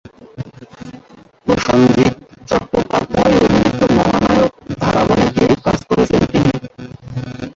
প্রসেনজিৎ চট্টোপাধ্যায় অভিনীত মহানায়ক ধারাবাহিকে কাজ করেছেন তিনি।